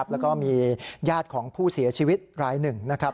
แล้วก็มีญาติของผู้เสียชีวิตรายหนึ่งนะครับ